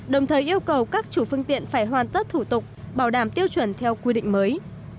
đồng thời yêu cầu các chủ phương tiện phải hoàn tất thủ tục bảo đảm tiêu chuẩn theo quy định mới